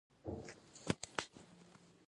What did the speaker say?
که له اسلام پرته په بل څه کې عزت و لټوو خوار به شو.